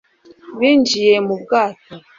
binjiye mu bwato